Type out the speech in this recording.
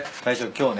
今日ね